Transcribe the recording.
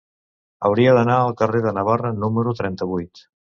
Hauria d'anar al carrer de Navarra número trenta-vuit.